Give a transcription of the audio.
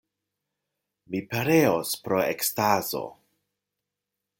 Mi pereos pro ekstazo!